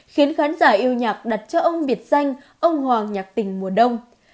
khiến khán giả yêu nhạc đặt cho ông việt xanh ông hoàng nhạc tình mùa đông